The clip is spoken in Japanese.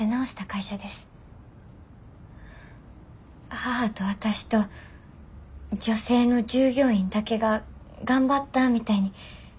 母と私と女性の従業員だけが頑張ったみたいに書いてあんのは。